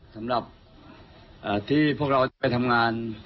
สำหรับที่พวกเราไปทำงาน